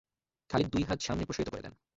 খালিদ দুই হাত সামনে প্রসারিত করে দেন।